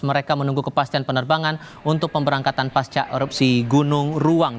mereka menunggu kepastian penerbangan untuk pemberangkatan pasca erupsi gunung ruang